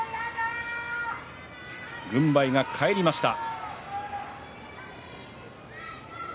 軍配が返りました。